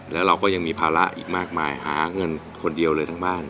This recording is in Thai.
แล้วเราก็ยังมีภาระอีกมากมายหาเงินคนเดียวเลยทั้งบ้าน